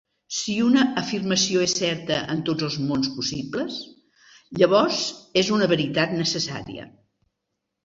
Si una afirmació és certa en tots els mons possibles, llavors és una veritat necessària.